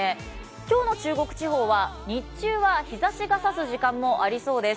今日の中国地方は、日中は日ざしがさす時間もありそうです。